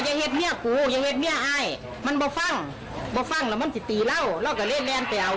ฟาดปุ๊บเรากับสวนเพื่อนเป็นขี่น้า